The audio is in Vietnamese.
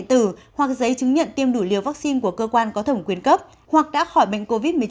điện tử hoặc giấy chứng nhận tiêm đủ liều vaccine của cơ quan có thẩm quyền cấp hoặc đã khỏi bệnh covid một mươi chín